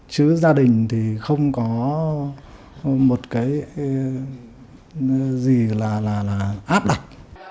chứ gia đình thì không có một cái gì là áp đặt